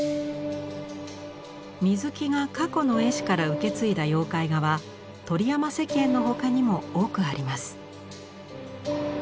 水木が過去の絵師から受け継いだ妖怪画は鳥山石燕の他にも多くあります。